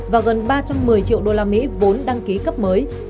và gần ba trăm một mươi triệu usd vốn đăng ký cấp mới